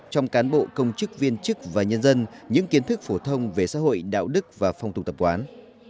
trong cán bộ công chức viên chức và nhân dân những kiến thức phổ thông về xã hội đạo đức và phong tục tập quán